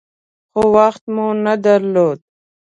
خو وخت مو نه درلود .